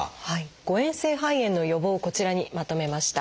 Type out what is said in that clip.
誤えん性肺炎の予防をこちらにまとめました。